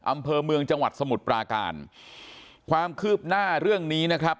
อำเภอเมืองจังหวัดสมุทรปราการความคืบหน้าเรื่องนี้นะครับ